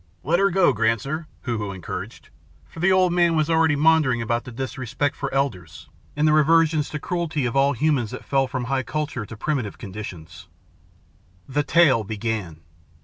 "Let her go, Granser," Hoo Hoo encouraged; for the old man was already maundering about the disrespect for elders and the reversion to cruelty of all humans that fell from high culture to primitive conditions. The tale began.